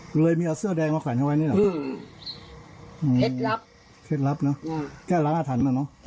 แก้ล้างอาถรรพ์เหมือนกัน